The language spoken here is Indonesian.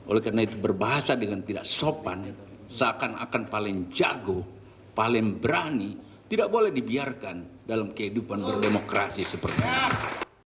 oleh karena itu berbahasa dengan tidak sopan seakan akan paling jago paling berani tidak boleh dibiarkan dalam kehidupan berdemokrasi seperti ini